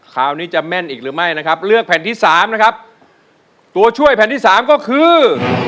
คราวนี้จะแม่นอีกหรือไม่นะครับเลือกแผ่นที่สามนะครับตัวช่วยแผ่นที่สามก็คือ